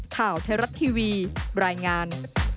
ข่าวเทราะต์ทีวีบรรยายงาน